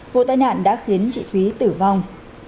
vụ tai nạn đã khiến chị thúy tử vong